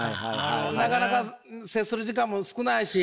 なかなか接する時間も少ないし。